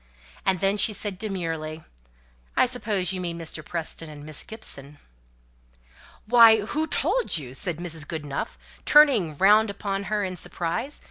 Then she said demurely, "I suppose you mean Mr. Preston and Miss Gibson?" "Why, who told you?" said Mrs. Goodenough, turning round upon her in surprise.